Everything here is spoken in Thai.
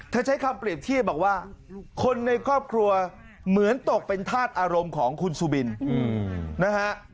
ใช้คำเปรียบเทียบบอกว่าคนในครอบครัวเหมือนตกเป็นธาตุอารมณ์ของคุณสุบินนะฮะ